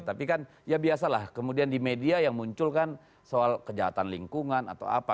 tapi kan ya biasalah kemudian di media yang muncul kan soal kejahatan lingkungan atau apa